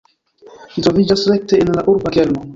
Ĝi troviĝas rekte en la urba kerno.